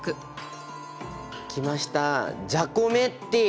きましたジャコメッティ！